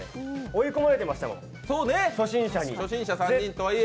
追い込まれてましたもん、初心者に。